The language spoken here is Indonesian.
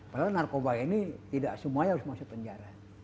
padahal narkoba ini tidak semuanya harus masuk penjara